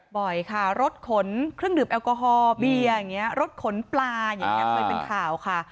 บ่อยค่ะรถขนเครื่องดื่มแอลกอฮอลเบียร์อย่างนี้รถขนปลาอย่างนี้เคยเป็นข่าวค่ะ